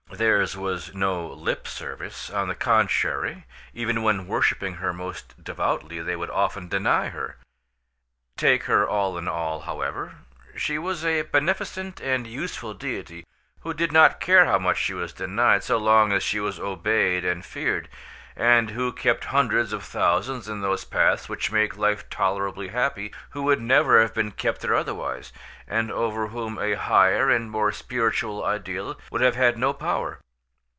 Theirs was no lip service; on the contrary, even when worshipping her most devoutly, they would often deny her. Take her all in all, however, she was a beneficent and useful deity, who did not care how much she was denied so long as she was obeyed and feared, and who kept hundreds of thousands in those paths which make life tolerably happy, who would never have been kept there otherwise, and over whom a higher and more spiritual ideal would have had no power.